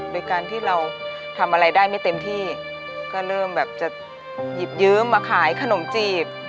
โดยการที่เราทำอะไรได้ไม่เต็มที่ก็เริ่มแบบจะหยิบยืมมาขายขนมจีบ